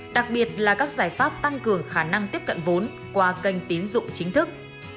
đặc biệt là các giải pháp tăng cường khả năng tiếp cận vốn qua kênh tín dụng chính thức